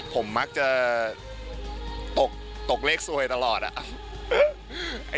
ผมมักที่จะตกเลขสวยตลอดอะ